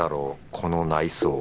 この内装。